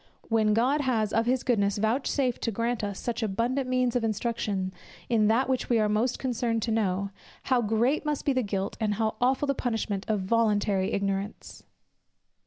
When God has of his goodness vouchsafed to grant us such abundant means of instruction in that which we are most concerned to know, how great must be the guilt, and how aweful the punishment of voluntary ignorance!